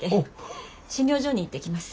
診療所に行ってきます。